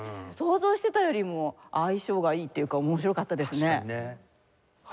想像してたよりも相性がいいっていうか面白かったですね。